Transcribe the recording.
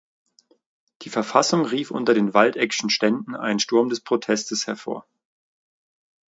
Die Verfassung rief unter den Waldeckschen Ständen einen Sturm des Protestes hervor.